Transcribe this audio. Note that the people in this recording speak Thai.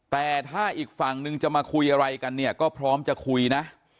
แต่ถ้าอีกฝั่งนึงจะมาคุยอะไรกันเนี่ยก็พร้อมจะคุยนะ